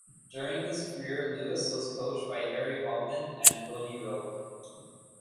During his career Lewis was coached by Harry Hopman and Tony Roche.